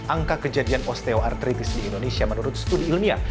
angka kejadian osteoartritis di indonesia menurut studi ilmiah